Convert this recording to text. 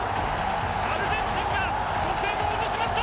アルゼンチンが初戦を落としました。